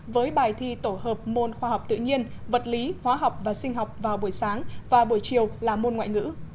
với bài thi tổ hợp môn khoa học tự nhiên vật lý hóa học và sinh học vào buổi sáng và buổi chiều là môn ngoại ngữ